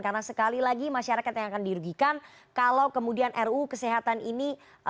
karena sekali lagi masyarakat yang akan dirugikan kalau kemudian ruu kesehatan ini